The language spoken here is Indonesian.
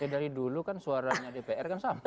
dari dulu kan suaranya dpr kan sama